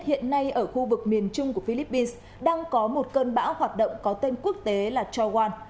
hiện nay ở khu vực miền trung của philippines đang có một cơn bão hoạt động có tên quốc tế là chowan